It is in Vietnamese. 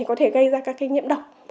có thể gây ra các cái nhiễm độc